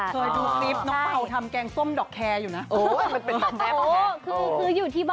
เคยดูคลิปน้องเปล่าทำแกงส้มดอกแคร์อยู่นะ